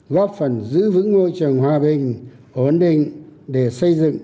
góp phần giữ vững môi trường hòa bình ổn định để xây dựng